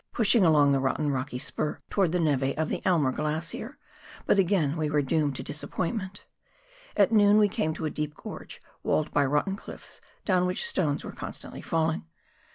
pushing along the rotten rocky spur towards the neve of the Aimer Glacier, but again we were doomed to disappointment. At noon we came to a deep gorge walled by rotten cliffs, down which stones were constantly falling.